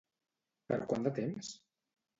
Per quant de temps?